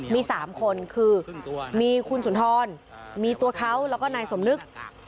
มี๓คนคือมีคุณสุนทรมีตัวเขาแล้วก็นายสมนึก